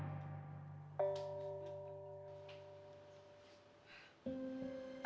iya boleh supaya pasang bilik kate